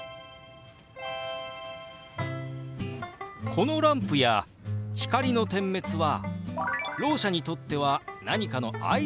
このランプや光の点滅はろう者にとっては何かの合図になるんでしたね。